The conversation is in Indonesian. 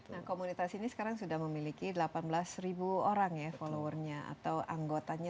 nah komunitas ini sekarang sudah memiliki delapan belas ribu orang ya followernya atau anggotanya